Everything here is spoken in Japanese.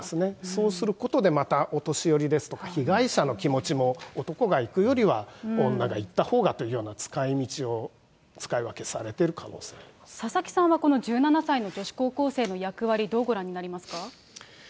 そうすることで、またお年寄りですとか、被害者の気持ちも男が行くよりは、女が行ったほうがというような使いみちを使い分けされてる可能性佐々木さんはこの１７歳の女子高校生の役割、どうご覧になりますか。